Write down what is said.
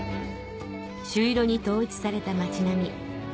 朱色に統一された町並み